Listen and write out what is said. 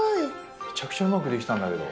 めちゃくちゃうまくできたんだけど。